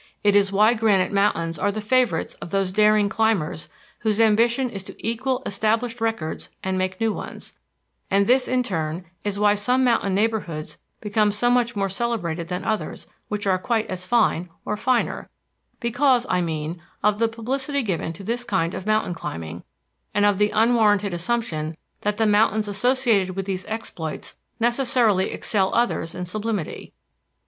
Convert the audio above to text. It is why granite mountains are the favorites of those daring climbers whose ambition is to equal established records and make new ones; and this in turn is why some mountain neighborhoods become so much more celebrated than others which are quite as fine, or finer because, I mean, of the publicity given to this kind of mountain climbing, and of the unwarranted assumption that the mountains associated with these exploits necessarily excel others in sublimity.